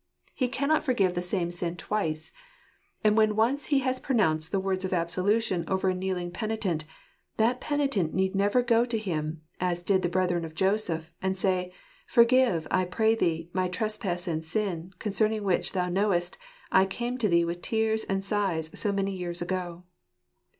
He cannot forgive the same sin ,8 4 loaeplr'* fast Sags anil twice and when once He has pronounced the Words of Absolution over a kneeling penitent, that penitent need never go to Him, as did the brethren of Joseph, and say, Forgive, I pray thee, my trespass and my sin, concerning which, Thou knowest, I came to thee with tears and sighs so many years ago.